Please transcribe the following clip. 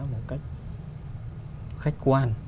một cách khách quan